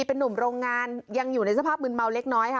เป็นนุ่มโรงงานยังอยู่ในสภาพมืนเมาเล็กน้อยค่ะ